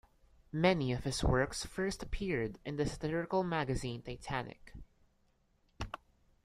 Many of his works first appeared in the satirical magazine "Titanic".